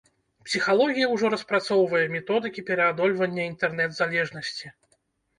Псіхалогія ўжо распрацоўвае методыкі пераадольвання інтэрнэт-залежнасці.